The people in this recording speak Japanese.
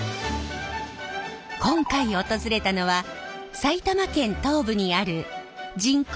今回訪れたのは埼玉県東部にある人口